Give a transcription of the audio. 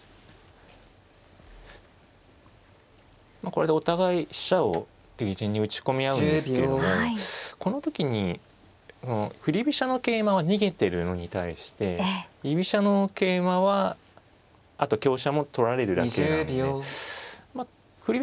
これでお互い飛車を敵陣に打ち込み合うんですけれどもこの時に振り飛車の桂馬は逃げてるのに対して居飛車の桂馬はあと香車も取られるだけなんで振り